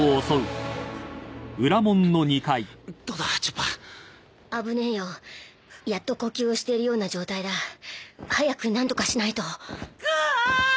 どうだチョッパー危ねえよやっと呼吸をしているような状態だ早くなんとかしないとクオ！